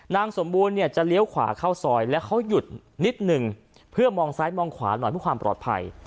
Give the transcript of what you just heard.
นางสมบูรณ์เนี่ยจะเลี้ยวขวาเข้าซอยแล้วเขาหยุดนิดหนึ่งเพื่อมองซ้ายมองขวาหน่อยเพื่อความปลอดภัย